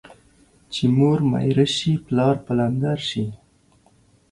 چي مور ميره سي ، پلار پلندر سي.